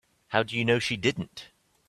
How do you know she didn't?